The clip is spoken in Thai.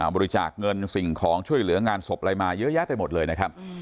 บริจาคเงินสิ่งของช่วยเหลืองานศพอะไรมาเยอะแยะไปหมดเลยนะครับ